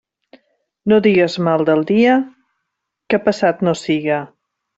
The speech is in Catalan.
No digues mal del dia, que passat no siga.